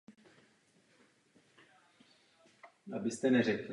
Usiloval o zvýšení úrovně české vědy.